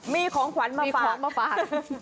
มีของขวัญมาฟาก